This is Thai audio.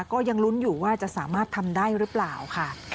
ก็ยังลุ้นอยู่ว่าจะสามารถทำได้หรือเปล่าค่ะ